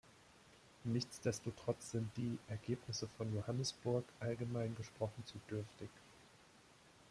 Nichtsdestotrotz sind die Ergebnisse von Johannesburg allgemein gesprochen zu dürftig.